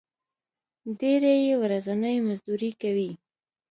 ډېری یې ورځنی مزدوري کوي.